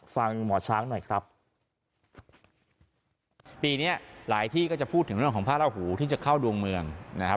ฟังหมอช้างหน่อยครับปีเนี้ยหลายที่ก็จะพูดถึงเรื่องของพระราหูที่จะเข้าดวงเมืองนะครับ